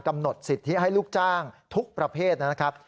กำหนดสิทธิให้ลูกจ้างทุกประเภทนะครับ